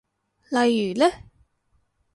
例如呢？